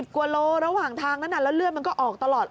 กว่าโลระหว่างทางนั้นแล้วเลือดมันก็ออกตลอด